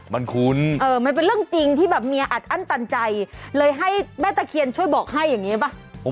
มันคุ้นมันเป็นเรื่องจริงที่แบบเมียอัดอั้นตันใจเลยให้แม่ตะเคียนช่วยบอกให้อย่างนี้ป่ะ